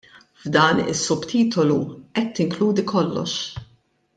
F'dan is-subtitolu qed tinkludi kollox.